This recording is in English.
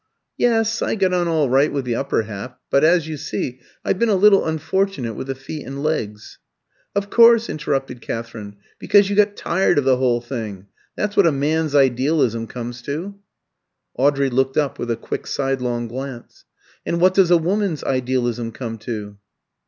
"Yes; I got on all right with the upper half, but, as you see, I've been a little unfortunate with the feet and legs." "Of course!" interrupted Katherine, "because you got tired of the whole thing. That's what a man's idealism comes to!" Audrey looked up with a quick sidelong glance. "And what does a woman's idealism come to?"